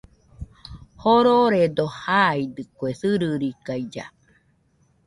Jororedo jaidɨkue sɨrɨrikailla.